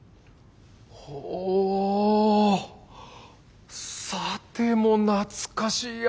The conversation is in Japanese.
ほうさても懐かしや。